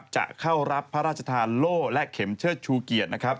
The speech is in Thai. จะเข้ารับพระราชทานโล่และเข็มเชิดชูเกียรตินะครับ